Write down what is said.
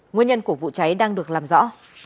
nguyên nhân của vụ cháy đang được làm rõ